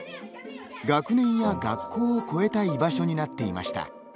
学年や学校を超えた居場所になっていました。